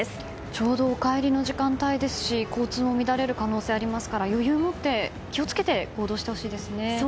ちょうどお帰りの時間帯ですし交通も乱れる可能性がありますから余裕を持って、気を付けて行動してほしいですね。